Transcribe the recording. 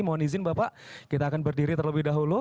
mohon izin bapak kita akan berdiri terlebih dahulu